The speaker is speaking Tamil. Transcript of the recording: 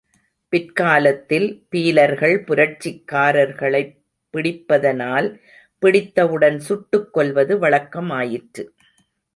பிற்காலத்தில் பீலர்கள் புரட்சிக்காரர்களைப் பிடிப்பதானால், பிடித்தவுடன் சுட்டுக் கொல்வது வழக்கமாயிற்று.